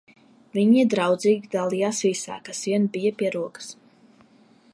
Viņi draudzīgi dalījās visā, kas vien bija pie rokas.